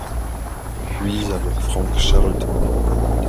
Puis avec Frank Charlton aux commandes.